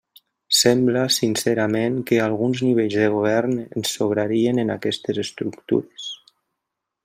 Sembla, sincerament, que alguns nivells de govern ens sobrarien en aquestes estructures.